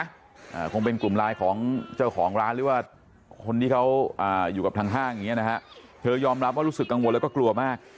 อ่าคงเป็นกลุ่มไลน์ของเจ้าของร้านหรือว่าคนที่เขาอ่าอยู่กับทางห้างอย่างเงี้นะฮะเธอยอมรับว่ารู้สึกกังวลแล้วก็กลัวมาก